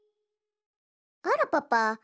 あらパパ